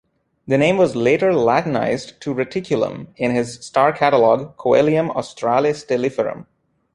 The name was later Latinized to Reticulum in his star catalogue "Coelum Australe Stelliferum".